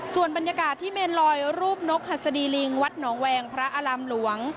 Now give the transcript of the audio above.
ส่วนบรรยากาศที่เมนลอยรูปนกหัสดีลิงวัดหนองแวงพระอารามหลวง